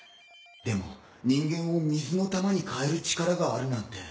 でも人間を水の球に変える力があるなんて。